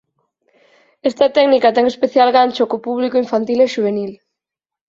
Esta técnica ten especial gancho co público infantil e xuvenil.